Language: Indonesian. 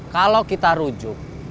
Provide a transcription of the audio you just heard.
kalau kita rujuk